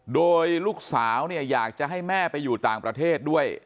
โดยลูกสาวเนี่ยอยากจะให้แม่ไปอยู่ต่างประเทศด้วย